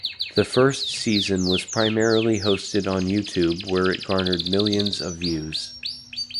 The first season was primarily hosted on YouTube where it garnered millions of views.